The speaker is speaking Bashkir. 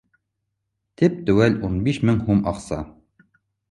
— Теп-теәүл ун биш мең һум аҡса